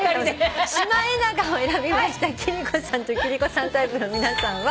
シマエナガを選びました貴理子さんと貴理子さんタイプの皆さんは。